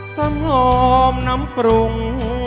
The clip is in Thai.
สำหรับน้ำปรุง